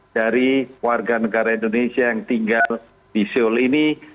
dari warga negara indonesia yang tinggal di seoul ini